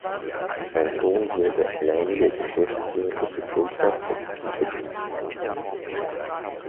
Sein Sohn wurde alleiniger geschäftsführender Gesellschafter des Unternehmens.